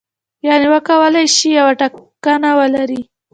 یعنې وکولای شي یوه ټاکنه ولري.